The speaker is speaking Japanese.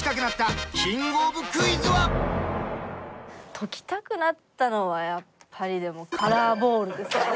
解きたくなったのはやっぱりカラーボールですかね。